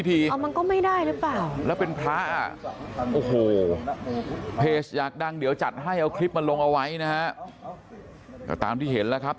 แต่เอาเป็นว่าคนวิพาสวิริญญาณเยอะมากนะครับ